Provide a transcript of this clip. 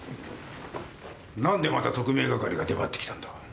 何でまた特命係が出張ってきたんだ？